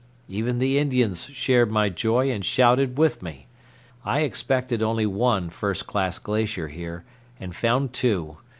Even the Indians shared my joy and shouted with me. I expected only one first class glacier here, and found two.